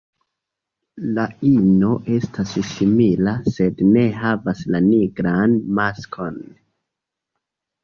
La ino estas simila, sed ne havas la nigran maskon.